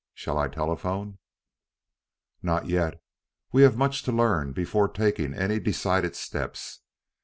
Shall I telephone?" "Not yet. We have much to learn before taking any decided steps."